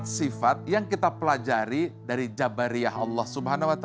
sifat yang kita pelajari dari jabariyah allah swt